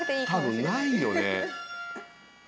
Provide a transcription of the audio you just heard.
多分ないよね。